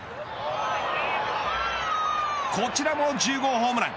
こちらも１０号ホームラン。